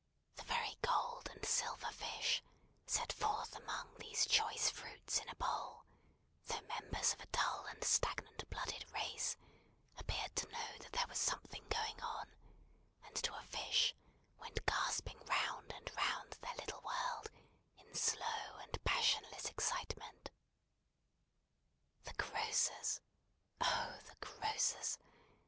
The very gold and silver fish, set forth among these choice fruits in a bowl, though members of a dull and stagnant blooded race, appeared to know that there was something going on; and, to a fish, went gasping round and round their little world in slow and passionless excitement. The Grocers'! oh, the Grocers'!